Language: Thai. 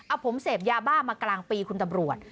เอาผมเสพยาบ้ามากลางปีคุณตำรวจ